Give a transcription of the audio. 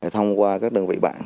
thông qua các đơn vị bạn